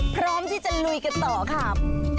พร้อมที่จะลุยกันต่อครับ